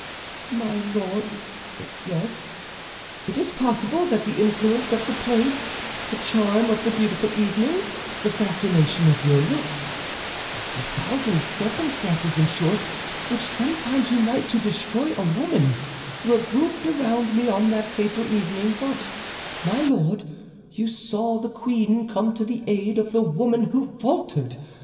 "My Lord, yes; it is possible that the influence of the place, the charm of the beautiful evening, the fascination of your look—the thousand circumstances, in short, which sometimes unite to destroy a woman—were grouped around me on that fatal evening; but, my Lord, you saw the queen come to the aid of the woman who faltered.